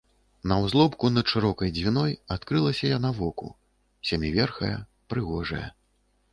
На ўзлобку над шырокай Дзвіной адкрылася яна воку, сяміверхая, прыгожая.